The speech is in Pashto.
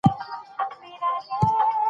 د ټولنيزو نهادونو په اړه ښې تجربې ولرئ.